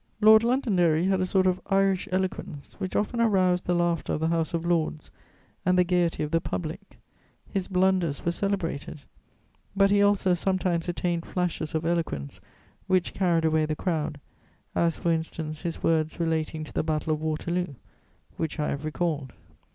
Lord Londonderry had a sort of Irish eloquence which often aroused the laughter of the House of Lords and the gaiety of the public; his blunders were celebrated, but he also sometimes attained flashes of eloquence which carried away the crowd, as, for instance, his words relating to the Battle of Waterloo, which I have recalled.